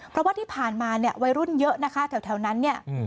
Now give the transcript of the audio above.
เพราะว่าที่ผ่านมาเนี่ยวัยรุ่นเยอะนะคะแถวนั้นเนี่ย